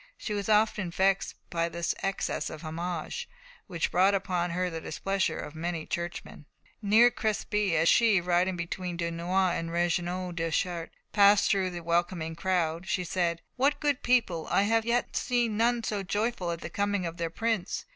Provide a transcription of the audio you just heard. She was often vexed by this excess of homage, which brought upon her the displeasure of many churchmen. Near Crespy, as she, riding between Dunois and Regnault de Chartres, passed through the welcoming crowd, she said: "What good people! I have yet seen none so joyful at the coming of their prince.